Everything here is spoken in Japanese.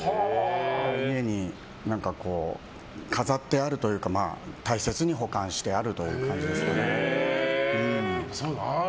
家に飾ってあるというか大切に保管してあるという感じですね。